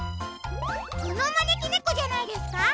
このまねきねこじゃないですか？